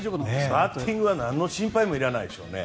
バッティングには何の心配もないでしょうね。